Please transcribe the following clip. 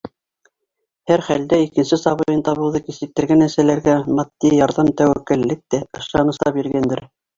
Һәр хәлдә икенсе сабыйын табыуҙы кисектергән әсәләргә матди ярҙам тәүәккәллек тә, ышаныс та биргәндер.